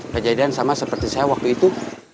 kejadian sama seperti saya waktu itu